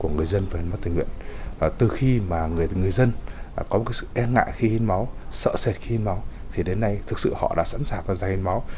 ngại khi hiến máu sợ sệt khi hiến máu thì đến nay thực sự họ đã sẵn sàng tạo ra hiến máu